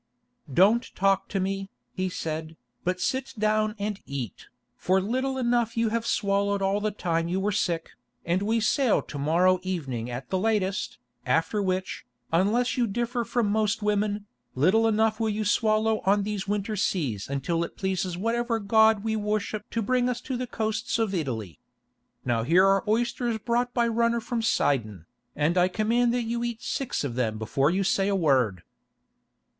"Don't talk to me," he said, "but sit down and eat, for little enough you have swallowed all the time you were sick, and we sail to morrow evening at the latest, after which, unless you differ from most women, little enough will you swallow on these winter seas until it pleases whatever god we worship to bring us to the coasts of Italy. Now here are oysters brought by runner from Sidon, and I command that you eat six of them before you say a word."